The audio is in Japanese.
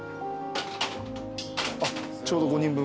ちょうど５人分。